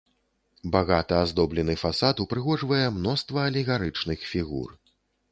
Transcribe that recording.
Багата аздоблены фасад упрыгожвае мноства алегарычных фігур.